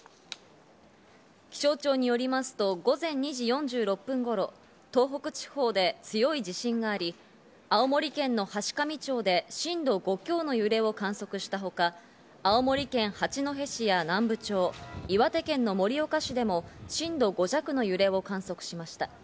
気象庁によりますと、午前２時４６分頃、東北地方で強い地震があり、青森県の階上町で震度５強の揺れを観測したほか、青森県の八戸市や南部町、岩手県の盛岡市でも震度５弱の揺れを観測しました。